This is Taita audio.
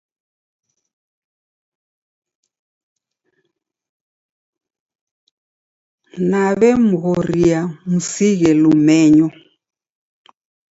Nawemghoria msighe lumenyo.